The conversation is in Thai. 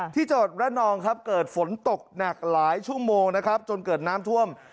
ที่จวดระนองเกิดฝนตกหนักหลายชั่วโมงจนเกิดน้ำท่วม